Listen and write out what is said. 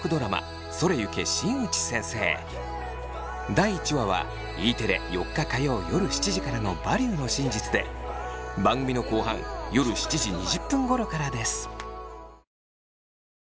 第１話はＥテレ４日火曜夜７時からの「バリューの真実」で番組の後半夜７時２０分ごろからです。